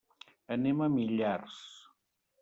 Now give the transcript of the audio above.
Anem a Millars.